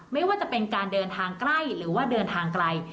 ไม่ว่าจะเป็นการเดินทางใกล้หรือว่าเดินทางไกล